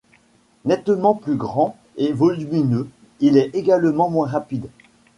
Nettement plus grand et volumineux, il est également moins rapide.